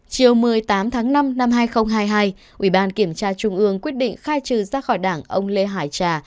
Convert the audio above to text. chiều một mươi tám tháng năm năm hai nghìn hai mươi hai ủy ban kiểm tra trung ương quyết định khai trừ ra khỏi đảng ông lê hải trà